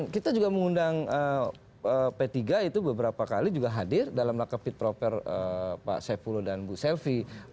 kita mengundang p tiga itu beberapa kali juga hadir dalam laka fit proper pak saifulo dan ibu silviana